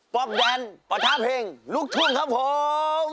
ปลอบดันประทะเพลงลูกทุ่งครับผม